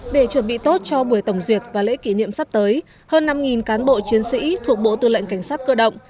để chuẩn bị tốt cho buổi tổng duyệt và lễ kỷ niệm sắp tới hơn năm cán bộ chiến sĩ thuộc bộ tư lệnh cảnh sát cơ động